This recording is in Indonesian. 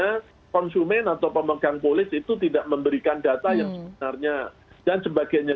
karena konsumen atau pemegang polis itu tidak memberikan data yang sebenarnya dan sebagainya